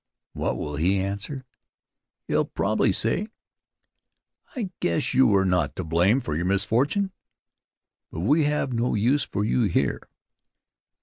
What will he answer? He'll probably say: "I guess you are not to blame for your misfortunes, but we have no use for you here."